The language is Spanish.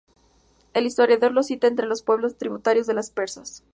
El historiador los cita entre los pueblos tributarios de los persas.